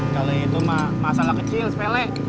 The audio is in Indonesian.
kalau itu masalah kecil sepele